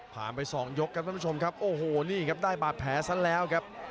ไปสองยกครับท่านผู้ชมครับโอ้โหนี่ครับได้บาดแผลซะแล้วครับ